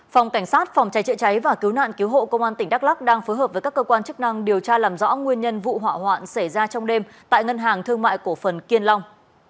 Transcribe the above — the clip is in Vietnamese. phòng cảnh sát phòng cháy chữa cháy và cứu nạn cứu hộ công an tỉnh đắk lắc đang phối hợp với các cơ quan chức năng điều tra làm rõ nguyên nhân vụ hỏa hoạn xảy ra trong đêm tại ngân hàng thương mại cổ phần kiên long